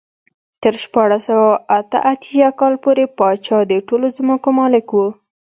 تر شپاړس سوه اته اتیا کال پورې پاچا د ټولو ځمکو مالک و.